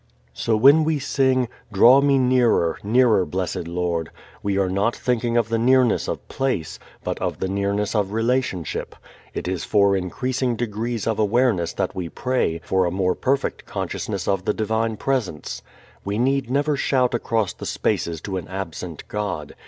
So when we sing, "Draw me nearer, nearer, blessed Lord," we are not thinking of the nearness of place, but of the nearness of relationship. It is for increasing degrees of awareness that we pray, for a more perfect consciousness of the divine Presence. We need never shout across the spaces to an absent God.